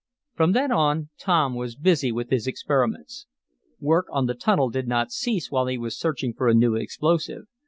From then on Tom was busy with his experiments. Work on the tunnel did not cease while he was searching for a new explosive.